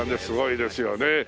すごいですよね。